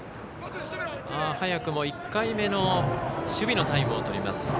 早くも１回目の守備のタイムをとります。